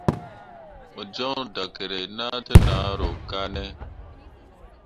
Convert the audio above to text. Mo jon dakerre na te nahro kane ?